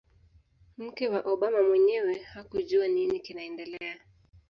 mke wa Obama mwenyewe hakujua nini kinaendelea